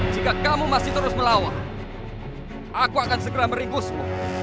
jika kamu masih terus melawan aku akan segera meringkusmu